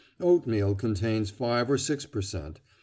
Oatmeal contains 5 or 6 per cent.